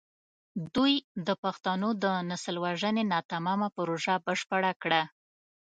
دوی د پښتنو د نسل وژنې ناتمامه پروژه بشپړه کړه.